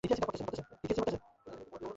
এই নীরবতার মধ্যেও কে যেন নিচু গলায় তাকে ডাকছে।